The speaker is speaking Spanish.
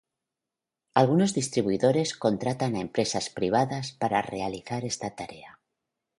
Algunos distribuidores contratan a empresas privadas para realizar esta tarea.